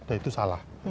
nah itu salah